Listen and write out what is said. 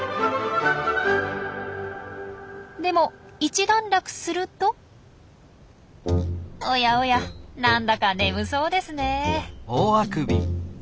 でも一段落するとおやおやなんだか眠そうですねえ。